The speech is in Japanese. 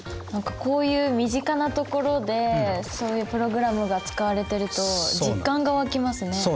何かこういう身近なところでそういうプログラムが使われてると実感が湧きますね。